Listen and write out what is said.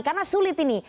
karena sulit ini